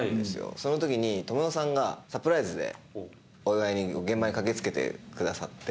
その時に知世さんがサプライズでお祝いに現場に駆け付けてくださって。